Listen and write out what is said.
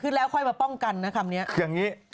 ขึ้นแล้วค่อยมาป้องกันนะคำนี้